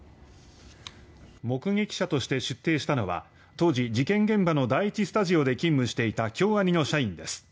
目撃者として出廷したのは当時、事件現場の第１スタジオで勤務していた京アニの社員です。